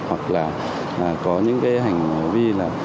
hoặc là có những hành vi